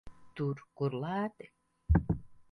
Tur, kur lēti.